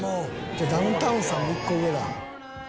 じゃあダウンタウンさんの１個上だ。